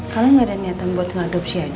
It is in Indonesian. kalian gak ada niatan buat ngadopsi aja